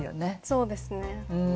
そうですね。